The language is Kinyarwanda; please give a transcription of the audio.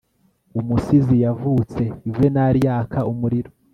umusizi yavutse, yuvenali yaka umuriro